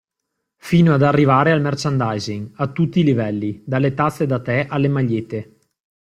Fino ad arrivare al merchandising (a tutti i livelli, dalle tazze da the alle magliette).